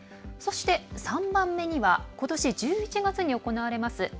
そして、３番目にはことし１１月に行われます